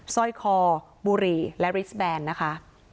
สร้อยคอบุหรี่และริสแบนนะคะ